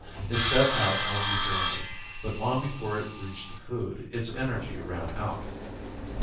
It set out on the journey, but long before it reached the food, its energy ran out.